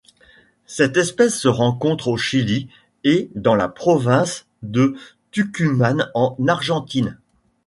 Cette espèce se rencontre au Chili et dans la province de Tucumán en Argentine.